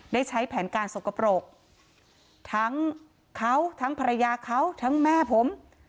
ได้ใช้แผนการสกปรกทั้งเขาทั้งภรรยาเขาทั้งแม่ผม